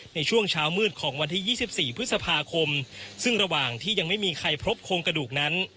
ในช่วงเช้ามืดของวันที่๒๔พฤษภาคมซึ่งระหว่างที่ยังไม่มีใครพบโครงกระดูกนั้น